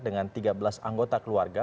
dengan tiga belas anggota keluarga